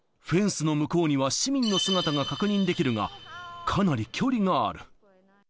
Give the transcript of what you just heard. フェンスの向こうには市民の姿が確認できるが、かなり距離がある。